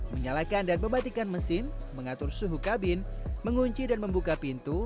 menyalakan dan mematikan mesin mengatur suhu kabin mengunci dan membuka pintu